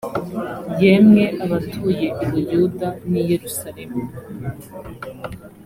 yemwe abatuye i buyuda n i yerusalemu